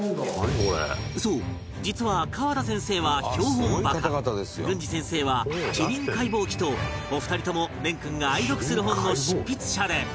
そう実は川田先生は『標本バカ』郡司先生は『キリン解剖記』とお二人とも蓮君が愛読する本の執筆者で